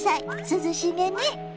涼しげね。